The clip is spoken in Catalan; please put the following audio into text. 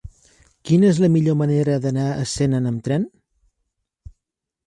Quina és la millor manera d'anar a Senan amb tren?